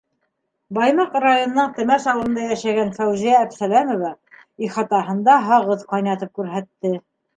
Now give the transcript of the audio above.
Баймаҡ районының Темәс ауылында йәшәгән Фәүзиә Әбсәләмова ихатаһында һағыҙ ҡайнатып күрһәтте.